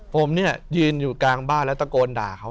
ผมเนี่ยยืนอยู่กลางบ้านแล้วตะโกนด่าเขา